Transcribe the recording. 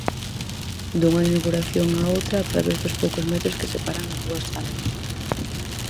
Dunha inauguración á outra a través dos poucos metros que separan as dúas salas.